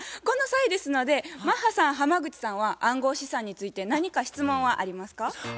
この際ですのでマッハさん浜口さんは暗号資産について何か質問はありますか？